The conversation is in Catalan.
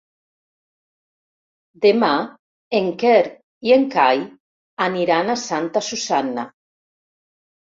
Demà en Quer i en Cai aniran a Santa Susanna.